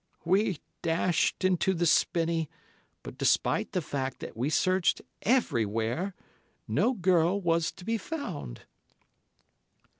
We dashed into the spinney, but despite the fact that we searched everywhere, no girl was to be found.